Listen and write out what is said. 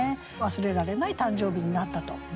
忘れられない誕生日になったと思います。